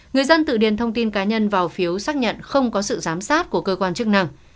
người dân tự điền thông tin cá nhân vào phiếu xác nhận không có sự giám sát của cơ quan chức năng